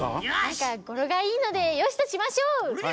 なんかごろがいいのでよしとしましょう！